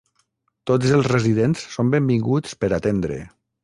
Tots els residents son benvinguts per atendre.